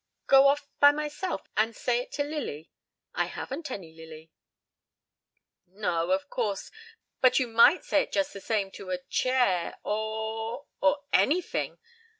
"Go off by myself and say it to Lily? I haven't any Lily." "No, of course, but you might say it just the same to a chair or or anyfing.